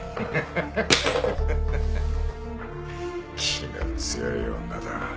気の強い女だ。